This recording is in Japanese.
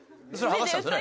剥がしたんですよ。